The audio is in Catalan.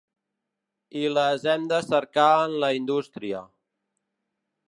I les hem de cercar en la indústria.